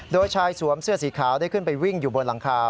โดยชายสวมเสื้อสีขาวได้ขึ้นไปวิ่งอยู่บนหลังคา